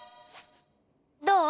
どう？